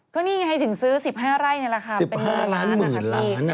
ก็นี่ไงถึงซื้อ๑๕ไร่นี่แหละค่ะเป็นหมื่นล้านอ่ะครับพี่๑๕ล้านหมื่นล้าน